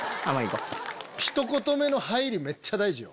ひと言目の入りめっちゃ大事よ。